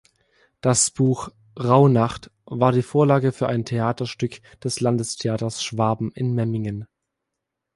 Das Buch "Rauhnacht" war die Vorlage für ein Theaterstück des Landestheaters Schwaben in Memmingen.